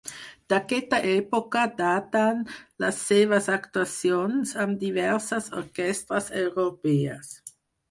D'aquesta època daten les seves actuacions amb diverses orquestres europees.